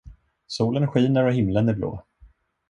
Solen skiner och himlen är blå.